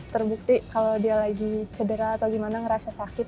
terbukti kalau dia lagi cedera atau gimana ngerasa sakit